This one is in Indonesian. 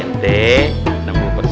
jadi bagiannya dua delapan ratus